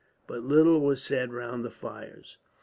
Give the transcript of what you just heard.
But little was said round the fires.